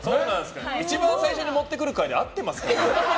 一番最初に持ってくる回で合ってますか？